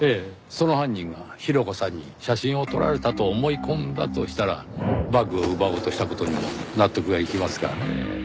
その犯人がヒロコさんに写真を撮られたと思い込んだとしたらバッグを奪おうとした事にも納得がいきますがねぇ。